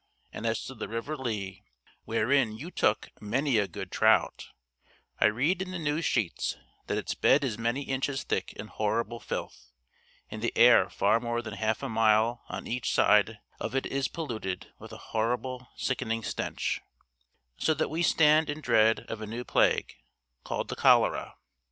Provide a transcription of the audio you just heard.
And as to the River Lea, wherein you took many a good trout, I read in the news sheets that 'its bed is many inches thick in horrible filth, and the air for more than half a mile on each side of it is polluted with a horrible, sickening stench,' so that we stand in dread of a new Plague, called the Cholera.